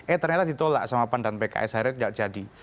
eh ternyata ditolak sama pan dan pks akhirnya tidak jadi